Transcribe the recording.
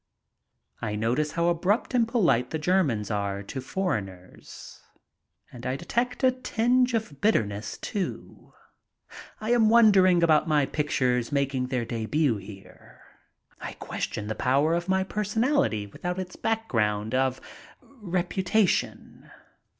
I notice how abrupt and polite the Germans are to for eigners, and I detect a tinge of bitterness, too. I am won dering about my pictures making their debut here. I ques tion the power of my personality without its background of reputation.